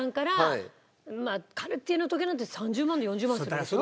まあカルティエの時計なんて３０万４０万するでしょ？